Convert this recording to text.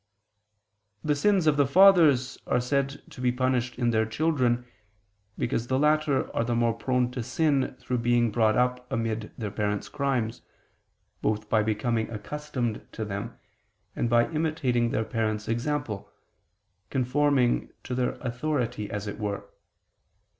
The sins of the fathers are said to be punished in their children, because the latter are the more prone to sin through being brought up amid their parents' crimes, both by becoming accustomed to them, and by imitating their parents' example, conforming to their authority as it were.